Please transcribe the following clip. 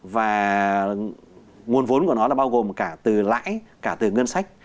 và nguồn vốn của nó là bao gồm cả từ lãi cả từ ngân sách